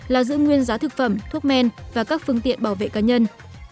là giữ nguyên giá thực phẩm thuốc men và các phương tiện bảo vệ cá nhân